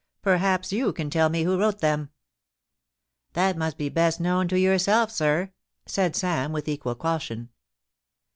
Perhaps you can tell me who wrote them.' * That must be best known to yourself, sir,' said Sam, with equal caution.